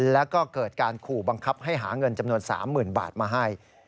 แล้วก็เกิดการขู่บังคับให้หาเงินจำนวน๓๐๐๐บาทมาให้